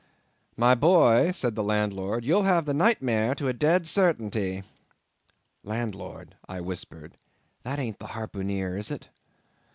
"My boy," said the landlord, "you'll have the nightmare to a dead sartainty." "Landlord," I whispered, "that aint the harpooneer is it?"